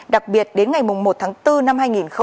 đặc biệt đến ngày một tháng bốn năm hai nghìn hai mươi